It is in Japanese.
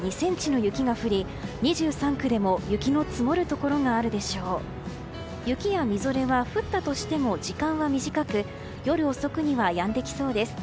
雪やみぞれは降ったとしても時間は短く夜遅くにはやんできそうです。